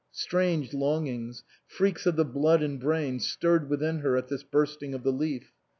Strange longings, freaks of the blood and brain, stirred within her at this bursting of the leaf.